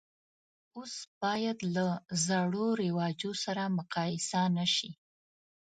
اوس باید له زړو رواجو سره مقایسه نه شي.